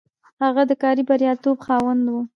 هغه د کاري برياليتوب خاوند و.